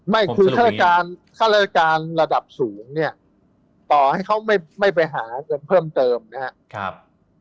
ไม่คือข้าราชการระดับสูงเนี่ยต่อให้เขาไม่ไปหาเงินเพิ่มเติมนะครับ